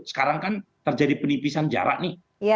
sekarang kan terjadi penipisan jarak nih